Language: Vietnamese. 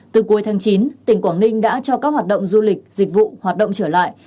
từ cuối tháng chín tỉnh quảng ninh đã cho các hoạt động du lịch dịch vụ hoạt động trở lại